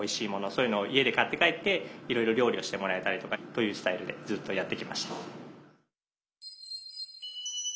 そういうのを家で買って帰っていろいろ料理してもらえたりとかというスタイルでずっとやってきました。